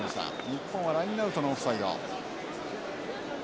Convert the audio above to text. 日本はラインアウトのオフサイド。